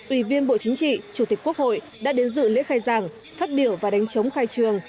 ủy viên bộ chính trị chủ tịch quốc hội đã đến dự lễ khai giảng phát biểu và đánh chống khai trường